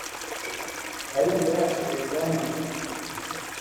aba yumva yashobora ibyananiranye